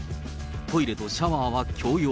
トイレとシャワーは共用。